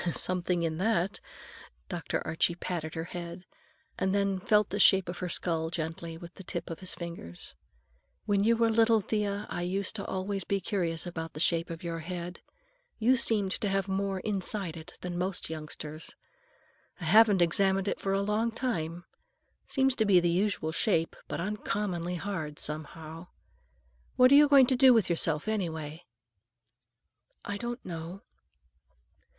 "Something in that!" Dr. Archie patted her head, and then felt the shape of her skull gently, with the tips of his fingers. "When you were little, Thea, I used always to be curious about the shape of your head. You seemed to have more inside it than most youngsters. I haven't examined it for a long time. Seems to be the usual shape, but uncommonly hard, some how. What are you going to do with yourself, anyway?" "I don't know."